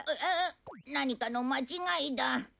何かの間違いだ。